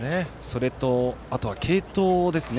それと、あとは継投ですね。